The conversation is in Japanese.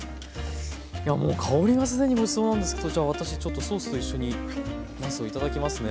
もう香りが既にごちそうなんですけどじゃあ私ソースと一緒になすを頂きますね。